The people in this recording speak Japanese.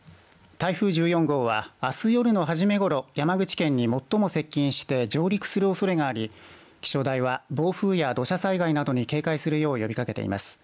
台風１４号はあす夜のはじめごろ山口県に最も接近して上陸するおそれがあり気象台は暴風や土砂災害などに警戒するよう呼びかけています。